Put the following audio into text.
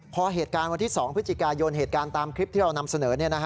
พอเหตุการณ์วันที่๒พฤศจิกายนเหตุการณ์ตามคลิปที่เรานำเสนอ